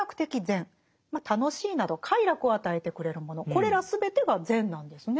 これら全てが善なんですね。